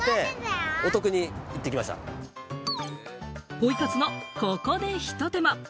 ポイ活のここでひと手間。